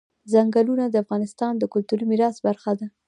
ځنګلونه د افغانستان د کلتوري میراث برخه ده.